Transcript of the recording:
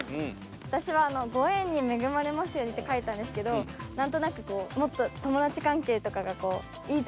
私はご縁に恵まれますようにって書いたんですけどなんとなくもっと友達関係とかがこう。